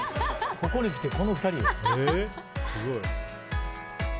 ここにきてこの２人を？